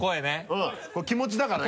うんこれ気持ちだからね。